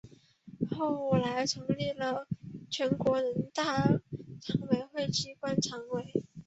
后来成立了全国人大常委会机关党委。